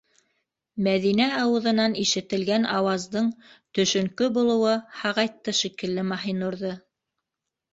Мәҙинә ауыҙынан ишетелгән ауаздың төшөнкө булыуы һағайтты шикелле Маһинурҙы: